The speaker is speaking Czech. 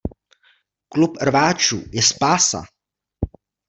Klub rváčů je spása!